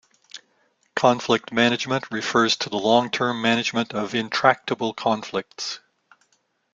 Conflict management refers to the long-term management of intractable conflicts.